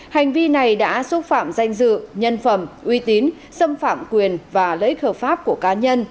hành vi này đã xúc phạm danh dự nhân phẩm uy tín xâm phạm quyền và lợi ích hợp pháp của cá nhân